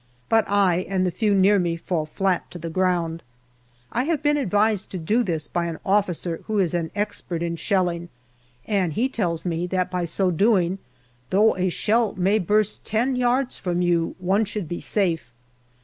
But I and the few near me fall flat to the ground. I have been advised to do this by an officer who is an expert in shelling, and he tells me that by so doing, though a shell may burst ten yards from you, one should be safe.